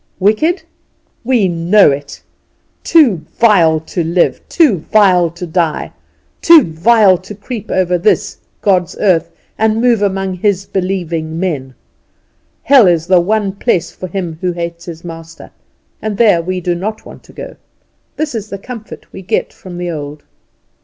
Wicked? We know it! Too vile to live, too vile to die, too vile to creep over this, God's earth, and move among His believing men. Hell is the one place for him who hates his master, and there we do not want to go. This is the comfort we get from the old.